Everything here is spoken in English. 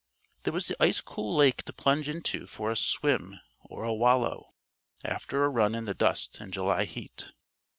There was the ice cool lake to plunge into for a swim or a wallow, after a run in the dust and July heat.